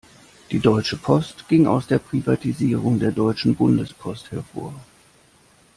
Die Deutsche Post ging aus der Privatisierung der Deutschen Bundespost hervor.